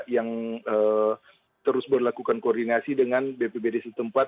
yang terus berlakukan koordinasi dengan bpbd setempat